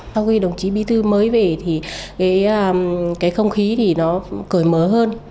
sau khi đồng chí bí thư mới về thì cái không khí thì nó cởi mở hơn